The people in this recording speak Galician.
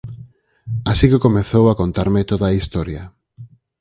Así que comezou a contarme toda a historia.